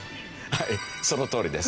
はいそのとおりです。